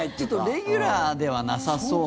レギュラーではなさそう。